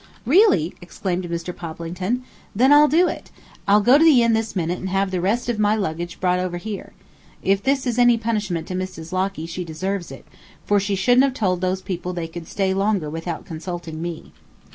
"Really!" exclaimed Mr. Poplington. "Then I'll do it. I'll go to the inn this minute and have the rest of my luggage brought over here. If this is any punishment to Mrs. Locky she deserves it, for she shouldn't have told those people they could stay longer without consulting me."